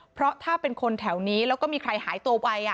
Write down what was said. เพราะถ้าเป็นคนแถวนี้แล้วก็มีใครหายตัวไป